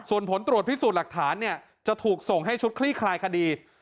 ส่วนผลตรวจพิสูจน์หลักฐานเนี่ยจะถูกส่งให้ชุดคลี่คลายคดี